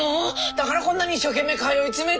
だからこんなに一生懸命通い詰めて。